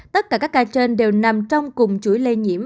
tất cả các ca trên đều nằm trong cùng chuỗi lây nhiễm